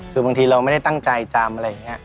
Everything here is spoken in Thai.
คือบางทีเราไม่ได้ตั้งใจจำอะไรอย่างนี้